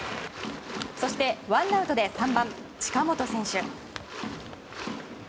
そして、ワンアウトで３番、近本選手。